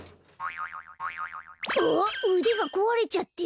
うでがこわれちゃってる。